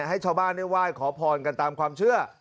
ให้ชาวบ้านได้ไหว้ขอพรกันตามความเชื่อ